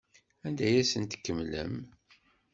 Anda ay asen-tkemmlem?